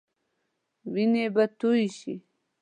وينې به تويي شي.